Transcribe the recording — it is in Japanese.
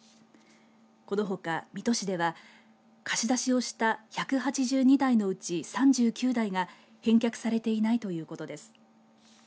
このほか水戸市では貸し出しをした１８２台のうち３９台が返却されていないということです。